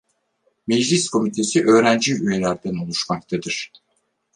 Meclis komitesi öğrenci üyelerden oluşmaktadır.